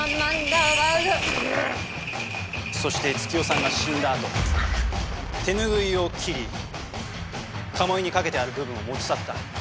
そして月代さんが死んだあと手拭いを切りかもいに掛けてある部分を持ち去った。